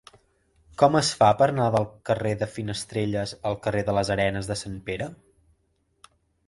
Com es fa per anar del carrer de Finestrelles al carrer de les Arenes de Sant Pere?